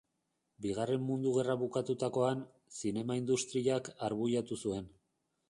Bigarren Mundu Gerra bukatutakoan, zinema industriak arbuiatu zuen.